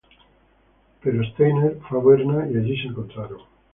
Pero Steiner fue a Berna y allí se encontraron.